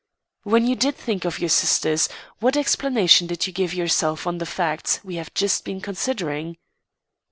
"When you did think of your sisters, what explanation did you give yourself of the facts we have just been considering?"